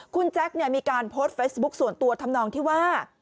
คุณแจ๊คมีการโพสต์เฟซบุ๊คส่วนตัวทำนองที่ว่า